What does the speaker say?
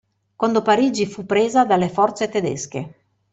Quando Parigi fu presa dalle forze tedesche.